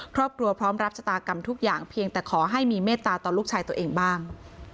พร้อมรับชะตากรรมทุกอย่างเพียงแต่ขอให้มีเมตตาต่อลูกชายตัวเองบ้าง